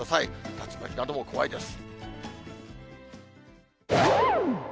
竜巻なども怖いです。